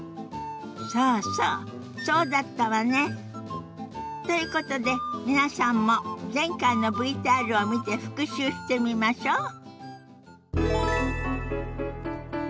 そうそうそうだったわね。ということで皆さんも前回のＶＴＲを見て復習してみましょ。